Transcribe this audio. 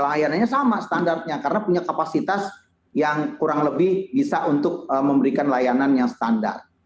layanannya sama standarnya karena punya kapasitas yang kurang lebih bisa untuk memberikan layanan yang standar